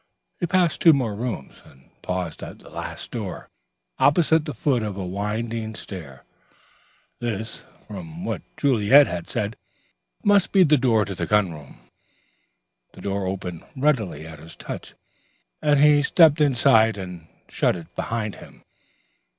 He passed two more rooms, and paused at the last door, opposite the foot of a winding stair. This, from what Juliet had said, must be the door of the gun room. The door opened readily at his touch, and he stepped inside and shut it behind him.